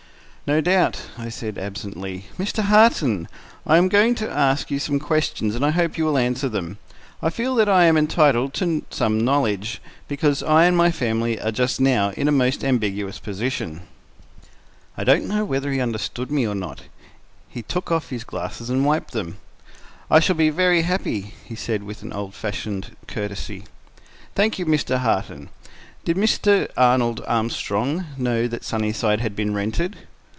"No doubt," I said absently. "Mr. Harton, I am going to ask you some questions, and I hope you will answer them. I feel that I am entitled to some knowledge, because I and my family are just now in a most ambiguous position." I don't know whether he understood me or not: he took of his glasses and wiped them. "I shall be very happy," he said with old fashioned courtesy. "Thank you. Mr. Harton, did Mr. Arnold Armstrong know that Sunnyside had been rented?"